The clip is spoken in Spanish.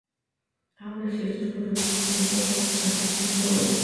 Aun así, estos productos tienen poca adición de valor.